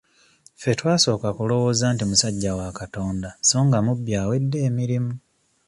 Ffe twasooka kulowooza nti musajja wa Katonda so nga mubbi awedde emirimu.